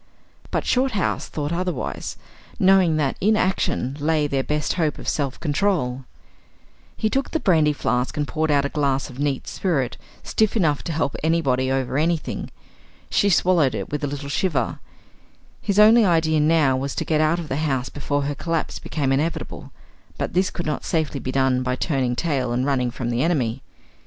But Shorthouse thought otherwise, knowing that in action lay their best hope of self control. He took the brandy flask and poured out a glass of neat spirit, stiff enough to help anybody over anything. She swallowed it with a little shiver. His only idea now was to get out of the house before her collapse became inevitable; but this could not safely be done by turning tail and running from the enemy.